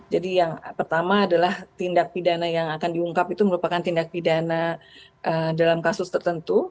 jadi yang pertama adalah tindak pidana yang akan diungkap itu merupakan tindak pidana dalam kasus tertentu